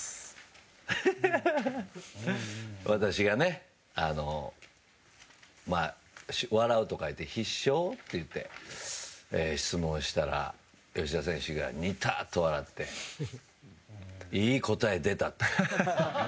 私がね、笑うと書いて必笑と言って質問をしたら吉田選手がニタッと笑っていい答え出たって。